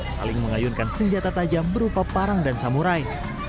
saling mengayunkan senjata tajam berupa parang dan samurai